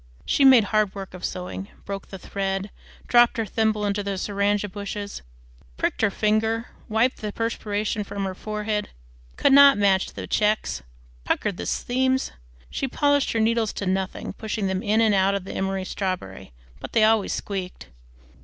She made hard work of sewing, broke the thread, dropped her thimble into the syringa bushes, pricked her finger, wiped the perspiration from her forehead, could not match the checks, puckered the seams. She polished her needles to nothing, pushing them in and out of the emery strawberry, but they always squeaked.